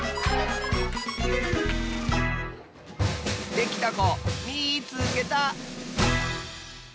できたこみいつけた！